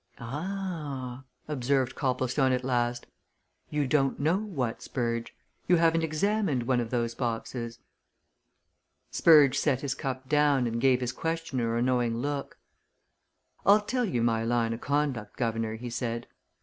"Ah!" observed Copplestone at last. "You don't know what, Spurge? You haven't examined one of those boxes?" Spurge set his cup down and gave his questioner a knowing look. "I'll tell you my line o' conduct, guv'nor," he said.